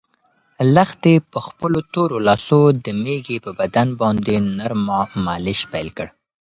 لښتې په خپلو تورو لاسو د مېږې په بدن باندې نرمه مالش پیل کړ.